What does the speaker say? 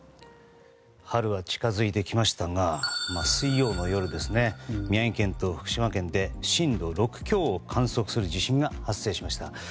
春は近づいてきましたが水曜の夜、宮城県と福島県で震度６強を観測する地震が発生しました。